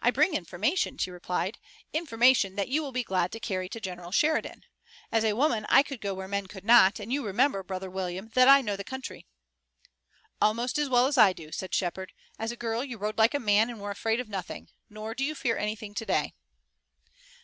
"I bring information," she replied, "information that you will be glad to carry to General Sheridan. As a woman I could go where men could not, and you remember, Brother William, that I know the country." "Almost as well as I do," said Shepard. "As a girl you rode like a man and were afraid of nothing. Nor do you fear anything today."